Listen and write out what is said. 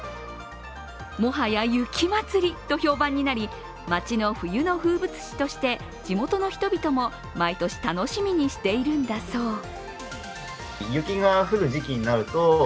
もはや雪祭りと評判になり町の冬の風物詩として地元の人々も毎年楽しみにしているんだそう。